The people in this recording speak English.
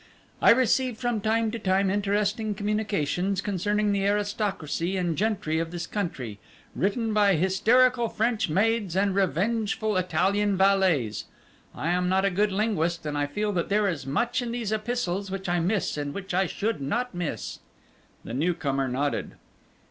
"I receive from time to time interesting communications concerning the aristocracy and gentry of this country, written by hysterical French maids and revengeful Italian valets. I am not a good linguist, and I feel that there is much in these epistles which I miss and which I should not miss." The new comer nodded.